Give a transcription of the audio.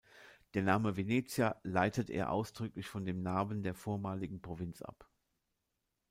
Den Namen "Venetia" leitet er ausdrücklich von dem Namen der vormaligen Provinz ab.